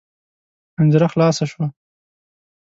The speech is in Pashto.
پنجره خلاصه شوه.